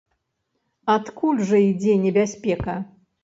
Адкуль жа ідзе небяспека?